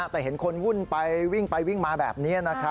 แต่เห็นคนวุ่นไปวิ่งไปวิ่งมาแบบนี้